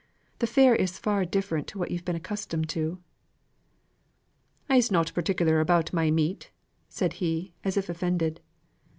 The fare is far different to what you have been accustomed to." "I'se nought particular about my meat," said he, as if offended.